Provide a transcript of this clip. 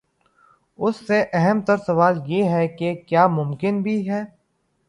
اس سے اہم تر سوال یہ ہے کہ کیا یہ ممکن بھی ہے؟